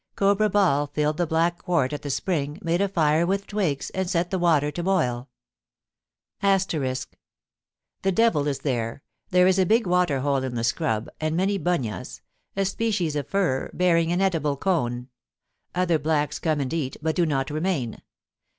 Cobra Ball filled the black quart at the spring, made a fire with twigs, and set the water to boil Lady Dolph The devil is there. There is a big water hole in the scrub, and many bunyas ' (a species of fir, bearing an edible cone). ' Other blacks come and eat, but do not remain.